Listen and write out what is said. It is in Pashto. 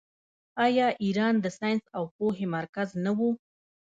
آیا ایران د ساینس او پوهې مرکز نه و؟